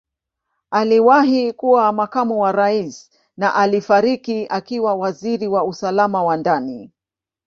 Aliwahi kuwa Makamu wa Rais na alifariki akiwa Waziri wa Usalama wa Ndani.